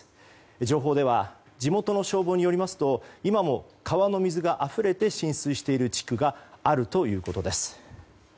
情報では地元の消防によりますと今も川の水があふれて浸水している地区があるということです。